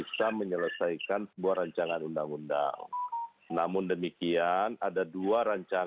selamat malam mbak nana